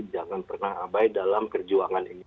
jangan pernah abai dalam perjuangan ini